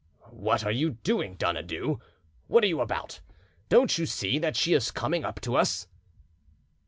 "What are you doing, Donadieu? What are you about? Don't you see that she is coming up to us?"